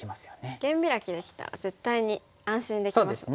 二間ビラキできたら絶対に安心できますもんね。